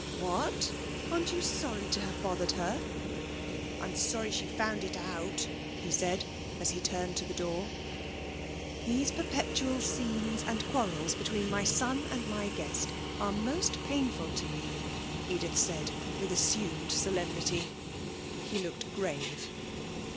'What! Aren't you sorry to have bothered her?' 'I'm sorry she found it out,' he said, as he turned to the door. 'These perpetual scenes and quarrels between my son and my guest are most painful to me,' Edith said, with assumed solemnity. He looked grave.